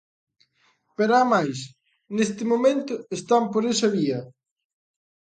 Pero é máis: neste momento están por esa vía.